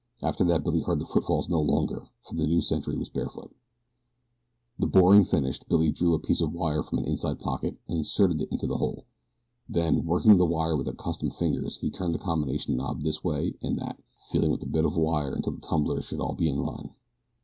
After that Billy heard the footfalls no longer, for the new sentry was barefoot. The boring finished, Billy drew a bit of wire from an inside pocket and inserted it in the hole. Then, working the wire with accustomed fingers, he turned the combination knob this way and that, feeling with the bit of wire until the tumblers should all be in line.